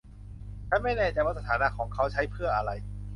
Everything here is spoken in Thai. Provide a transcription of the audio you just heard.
ฉันไม่แน่ใจว่าสถานะของเขาใช้เพื่ออะไร